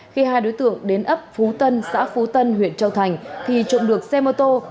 khi hai đối tượng đến ấp phú tân xã phú tân huyện châu thành thì trộm được xe mô tô